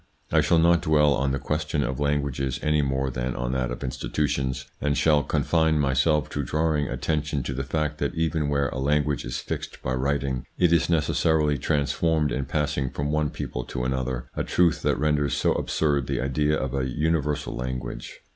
I shall not dwell on the question of languages any more than on that of institutions, and shall confine myself to drawing attention to the fact that even where a language is fixed by writing, it is necessarily transformed in passing from one people to another, a truth that renders so absurd the idea of an universal language.